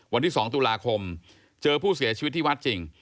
วันที่๒ตุลาคมเจอผู้เสียชีวิตที่วัดจริง